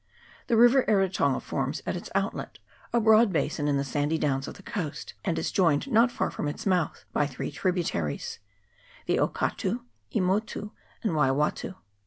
The river Eritonga forms at its outlet a broad basin in the sandy downs of the coast, and is joined, not far from its mouth, by three tributaries, the Okatu, Ernotu, and Waiwatu.